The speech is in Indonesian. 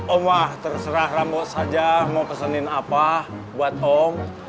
om wah terserah rambo saja mau pesenin apa buat om